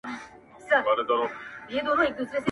سل ځله یې زموږ پر کچکولونو زهر وشیندل-